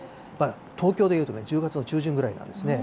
東京でいうとね、１０月の中旬ぐらいなんですね。